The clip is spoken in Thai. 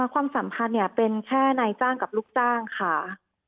ความสัมพันธ์เป็นแค่นายจ้างกับลูกจ้างค่ะ